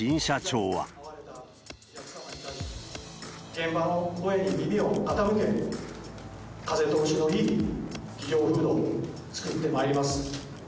現場の声に耳を傾け、風通しのいい企業風土を作ってまいります。